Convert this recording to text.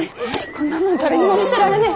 こんなもん誰にも見せられねぇ。